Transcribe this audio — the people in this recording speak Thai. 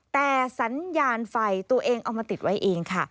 แต่สัญญาณไฟตัวเองเอามาติดไว้เองค่ะ